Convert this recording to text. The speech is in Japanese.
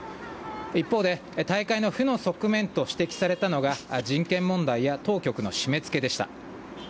一方で、大会の負の側面と指摘されたのが、人権問題や当局の締めつけでした。